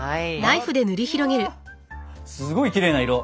ふわっすごいきれいな色！